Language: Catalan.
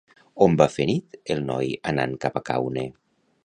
On va fer nit el noi anant cap a Caune?